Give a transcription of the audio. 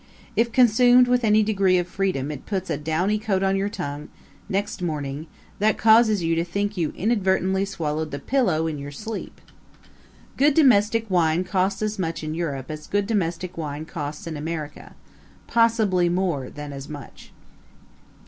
If consumed with any degree of freedom it puts a downy coat on your tongue next morning that causes you to think you inadvertently swallowed the pillow in your sleep. Good domestic wine costs as much in Europe as good domestic wine costs in America possibly more than as much.